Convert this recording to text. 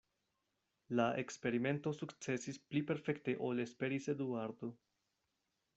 La eksperimento sukcesis pli perfekte ol esperis Eduardo.